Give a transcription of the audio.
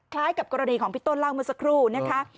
กับกรณีของพี่ต้นเล่าเมื่อสักครู่นะคะ